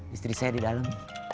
istri saya di dalam